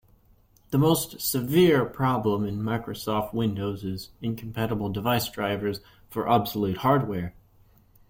The most severe problem in Microsoft Windows is incompatible device drivers for obsolete hardware.